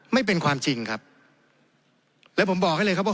ไม่เป็นความจริงครับแล้วผมบอกให้เลยครับว่า